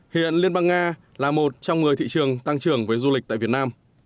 hiện liên bang nga là một trong một mươi thị trường tăng trưởng với du lịch tại việt nam